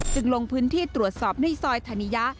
จึงลงพื้นที่ตรวจสอบในซอยธัณยา